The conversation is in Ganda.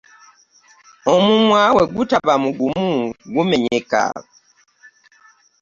Omumwa wegutaba mugumu gumenyeka .